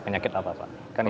penyakit apa pak